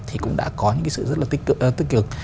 thì cũng đã có những cái sự rất là tích cực